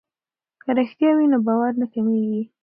که رښتیا وي نو باور نه کمیږي.